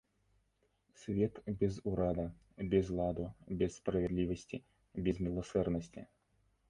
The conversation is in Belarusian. Свет без ўрада, без ладу, без справядлівасці, без міласэрнасці.